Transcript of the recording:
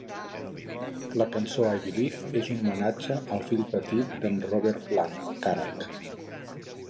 La cançó "I Believe" és un homenatge al fill petit d'en Robert Plant, Karac.